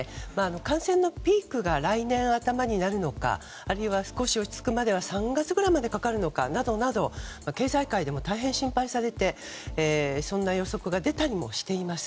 感染のピークが来年頭になるのかあるいは、少し落ち着くまで３月くらいまでかかるのかなどなど経済界でも大変心配されてそんな予測が出たりもしています。